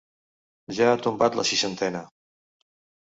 Ja ha tombat la seixantena.